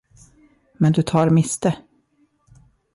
Men du tar miste.